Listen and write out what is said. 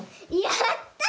やった！